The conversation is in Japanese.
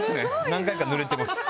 何回か濡れてます。